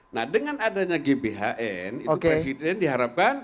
nah dengan adanya gbhn itu presiden diharapkan